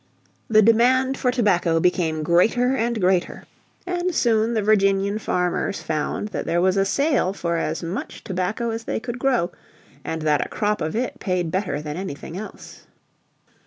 The demand for tobacco became greater and greater, and soon the Virginian farmers found that there was a sale for as much tobacco as they could grow, and that a crop of it paid better than anything else.